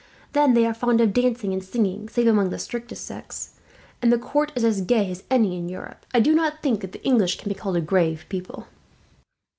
Then they are fond of dancing and singing, save among the strictest sects; and the court is as gay as any in Europe. I do not think that the English can be called a grave people."